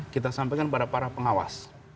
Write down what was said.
kita sampaikan kepada para pengawas